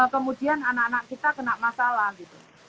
kemudian anak anak kita kena masalah gitu